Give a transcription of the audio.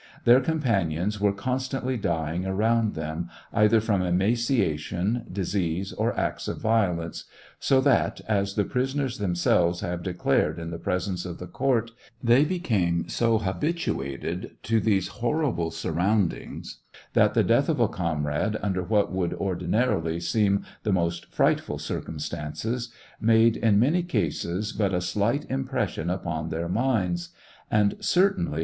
Their companions were constantly dying around them, either from emaciation, disease, or acts of violence, so that, as the prisoners themselves have declared in the presence of the court, they became so habituated to these horrible surroundings, that the death of a comrade, under what would ordinarily seem the most frightful circum stances, made in many cases but a slight impression upon their minds; and certainly TRIAL OF HENRY WIRZ.